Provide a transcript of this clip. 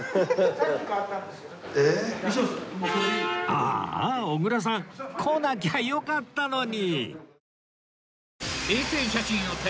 ああ小倉さん来なきゃよかったのに！